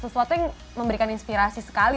sesuatu yang memberikan inspirasi sekali